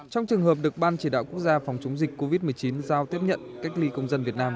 trong trường hợp được ban chỉ đạo quốc gia phòng chống dịch covid một mươi chín giao tiếp nhận cách ly công dân việt nam